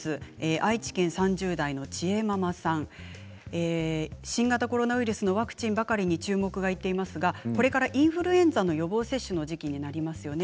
愛知県３０代の方新型コロナウイルスのワクチンばかりに注目がいっていますがこれからインフルエンザの予防接種の時期になりますよね。